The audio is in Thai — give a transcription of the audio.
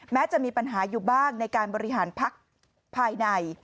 จะมีปัญหาอยู่บ้างในการบริหารพักภายใน